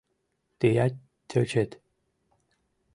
— Тыят тӧчет!